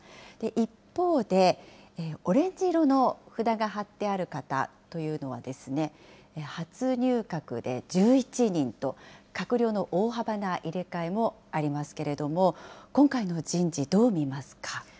一方で、オレンジ色の札が貼ってある方というのはですね、初入閣で１１人と、閣僚の大幅な入れ替えもありますけれども、今回の人事、どう見ますか。